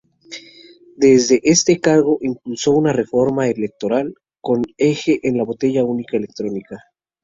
Desde este cargo impulsó una reforma electoral con eje en la boleta única electrónica.